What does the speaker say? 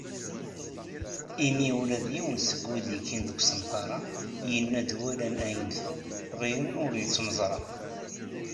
Imi ula d yiwen seg wid yekkin deg usenfar-a yenna-d walan ayen tuɣ ɣilen ur yettmeẓra.